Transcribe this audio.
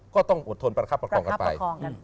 ก็ต้องอดทนประคับประคองกันไป